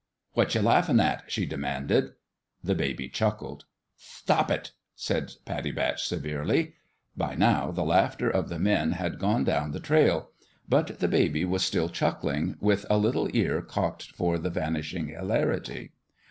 " What you laughin' at ?" she demanded. The baby chuckled. "Thtop it !" said Pattie Batch, severely. By now the laughter of the men had gone down the trail ; but the baby was still chuckling, with a little ear cocked for the vanishing hilarity.